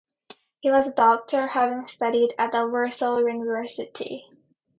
He was a doctor, having studied at the Warsaw University.